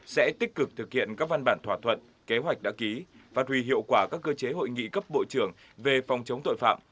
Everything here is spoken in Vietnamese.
sẽ tích cực thực hiện các văn bản thỏa thuận kế hoạch đã ký phát huy hiệu quả các cơ chế hội nghị cấp bộ trưởng về phòng chống tội phạm